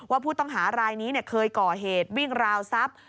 ว่าผู้ต้องหารายนี้เคยก่อเหตุวิ่งราวทรัพย์